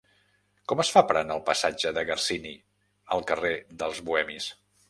Com es fa per anar del passatge de Garcini al carrer dels Bohemis?